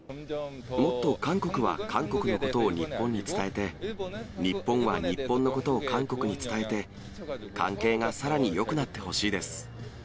もっと韓国は韓国のことを日本に伝えて、日本は日本のことを韓国に伝えて、関係がさらによくなってほしいです。